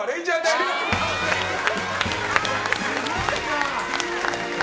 すごいな！